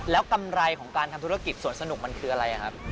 แล้วกำไรของการทำธุรกิจสวนสนุกมันคืออะไรครับ